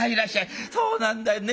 そうなんだよね